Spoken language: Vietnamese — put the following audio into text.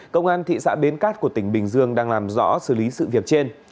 công an thị xã bến cát của tỉnh bình dương đang làm rõ xử lý sự việc trên